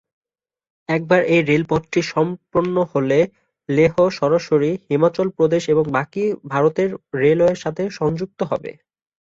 একবার এই রেল রেলপথটি সম্পন্ন হলে, লেহ সরাসরি হিমাচল প্রদেশ এবং বাকি ভারতের রেলওয়ের সাথে সংযুক্ত হবে।